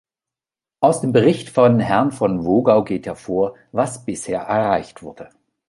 Aus dem Bericht von Herrn von Wogau geht hervor, was bisher erreicht wurde.